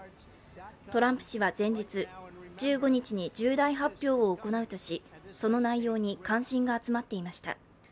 トランプ氏は前日、１５日に重大発表を行うとし、その内容に関心が集まっていました。